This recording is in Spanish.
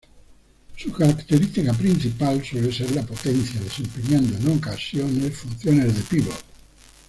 Su característica principal suele ser la potencia, desempeñando en ocasiones funciones de pívot.